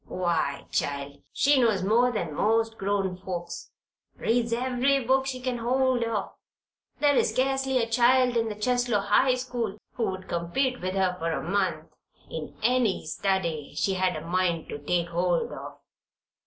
Why, child, she knows more than most grown folks. Reads every book she can get hold of; there is scarcely a child in the Cheslow High School who could compete with her for a month in any study she had a mind to take hold of.